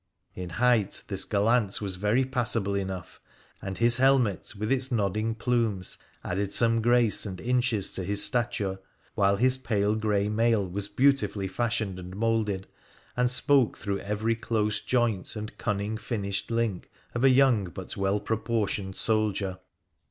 In height this gallant was very passable enough, and his helmet, with its nodding plumes, added some grace and inches to his stature, while his pale grey mail was beautifully fashioned and moulded, and spoke through every close joint and cunning finished link of a young but well proportioned soldier.